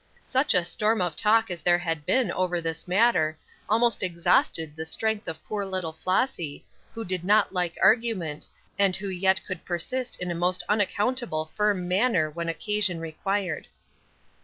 Such a storm of talk as there had been over this matter almost exhausted the strength of poor little Flossy, who did not like argument, and who yet could persist in a most unaccountable firm manner when occasion required.